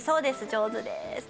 上手です。